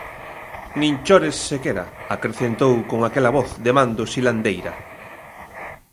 Nin chores sequera –acrecentou con aquela voz de mando silandeira–.